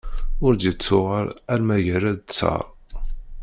Ur d-yettuɣal alma yerra-d ttar